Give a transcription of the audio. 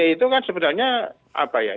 itu kan sebenarnya apa ya